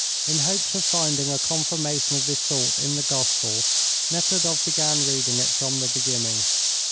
In hopes of finding a confirmation of this thought in the Gospel, Nekhludoff began reading it from the beginning.